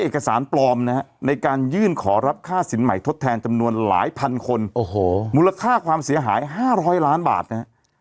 การยื่นขอรับค่าสินใหม่ทดแทนจำนวนหลายพันคนโอ้โหมูลค่าความเสียหายห้าร้อยล้านบาทนะฮะ